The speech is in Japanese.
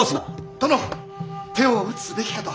殿手を打つべきかと。